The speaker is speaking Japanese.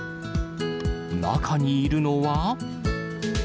中にいるのは。